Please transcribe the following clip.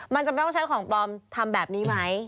มันจะไม่ต้องใช้ของปลอมทำแบบนี้ไหม